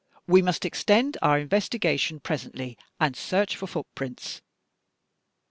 We must extend our investigation presently, and search for footprints.